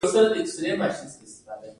هغه د عدم تشدد اصلي تیوریسن دی.